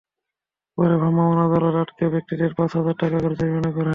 পরে ভ্রাম্যমাণ আদালত আটক ব্যক্তিদের পাঁচ হাজার টাকা করে জরিমানা করেন।